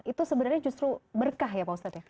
itu sebenarnya justru berkah ya pak ustadz ya